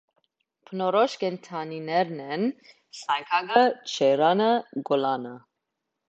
Բնորոշ կենդանիներն են սայգակը, ջեյրանը, կոլանը։